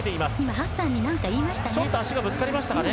ハッサンに何か言いましたね。